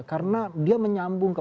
karena dia menyambung ke